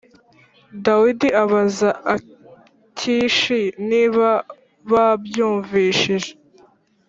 dawidi abaza akishi nimba babyumvishije